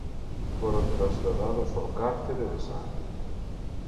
Foron trasladados ao cárcere de Sarria.